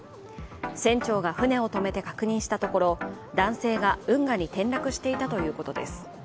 船長が船を止めて確認したところ、男性が運河に転落していたということです。